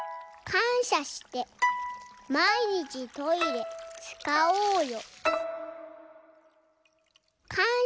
「かんしゃしてまいにちトイレつかおうよ」。